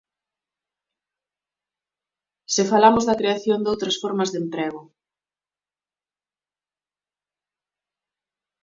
Se falamos da creación doutras formas de emprego.